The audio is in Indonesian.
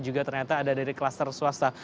juga ternyata ada dari kluster swasta